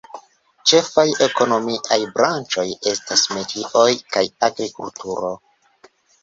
Ĉefaj ekonomiaj branĉoj estas metioj kaj agrikulturo.